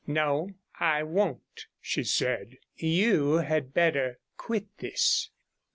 'No, I won't,' she said. 'You had better quit this.'